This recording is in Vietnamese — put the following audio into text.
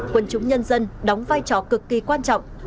quân chúng nhân dân đóng vai trò cực kỳ quan trọng